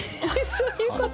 そういうこと？